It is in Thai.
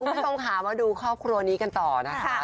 คุณผู้ชมค่ะมาดูครอบครัวนี้กันต่อนะคะ